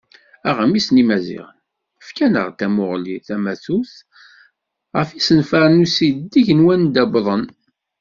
Aɣmis n Yimaziɣen: Efk-aneɣ-d tamuɣli tamatut ɣef yisenfaren n usideg d wanda wwḍen?